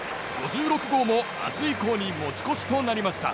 ５６号も明日以降に持ち越しとなりました。